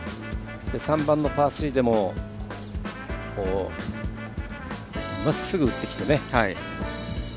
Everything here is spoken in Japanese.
３番のパー３でもまっすぐ打ってきて。